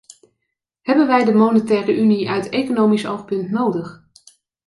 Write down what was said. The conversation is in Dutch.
Hebben wij de monetaire unie uit economisch oogpunt nodig?